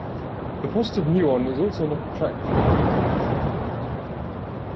The positive muon is also not attracted to the nucleus of atoms.